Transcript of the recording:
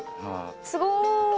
すごい！